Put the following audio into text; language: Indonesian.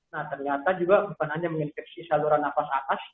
nah ternyata juga bukan hanya menginfeksi saluran nafas atas